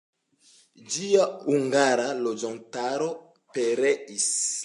Ĝia hungara loĝantaro pereis.